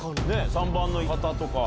３番の方とか。